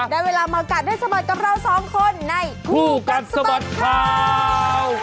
ได้เวลามากัดด้วยสบัตรกับเราสองคนในผู้กัดสบัตรข่าว